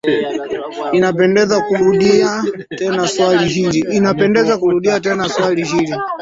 i napenda kurudia tena swala hili